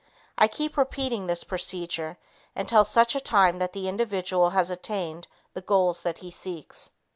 I keep repeating this procedure until such time that the individual has attained the goals that he seeks.